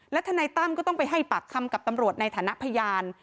ทนายตั้มก็ต้องไปให้ปากคำกับตำรวจในฐานะพยาน